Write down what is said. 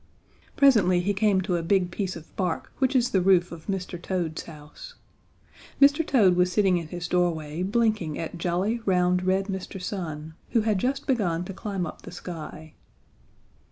Presently he came to a big piece of bark which is the roof of Mr. Toad's house. Mr. Toad was sitting in his doorway blinking at jolly, round, red Mr. Sun, who had just begun to climb up the sky.